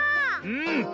うん！